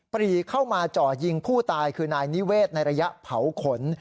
ปรีเข้ามาจ่อยิงผู้ตายคือนายนิเวศในระยะเผาขน